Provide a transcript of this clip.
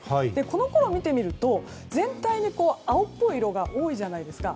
このころを見てみると全体に青っぽい色が多いじゃないですか。